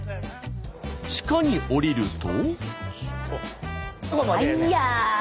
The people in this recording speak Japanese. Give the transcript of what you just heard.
地下に下りると。